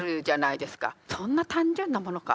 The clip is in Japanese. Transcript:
そんな単純なものか？